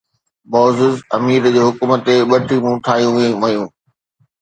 معزز امير جي حڪم تي ٻه ٽيمون ٺاهيون ويون.